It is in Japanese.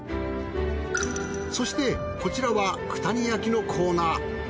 そしてこちらは九谷焼のコーナー。